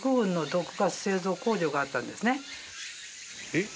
えっ？